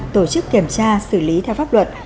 tổ chức kiểm tra xử lý theo pháp luật